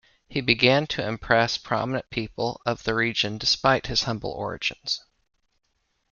He began to impress prominent people of the region despite his humble origins.